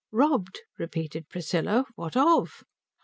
"Robbed?" repeated Priscilla. "What of?"